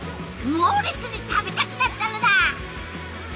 猛烈に食べたくなったのだ！